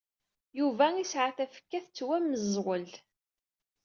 Yuba isɛa tafekka ttwameẓwel.